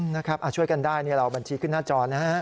นะครับช่วยกันได้เราบัญชีขึ้นหน้าจอนะฮะ